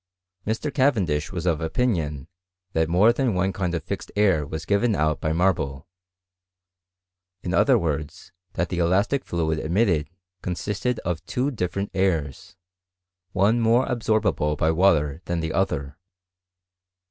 Mr. Cavendish was of opinion that more than one kind of fixed air was given out by marble; in other words, that the elastic fluid emitted, consisted of two different airs, one more absorbable by water than the other.